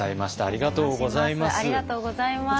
ありがとうございます。